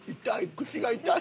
口が痛い。